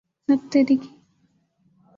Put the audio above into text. ہت تیرے کی!